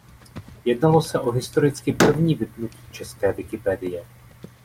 Jednalo se o historicky první vypnutí české Wikipedie.